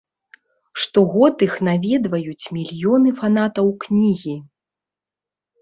Штогод іх наведваюць мільёны фанатаў кнігі.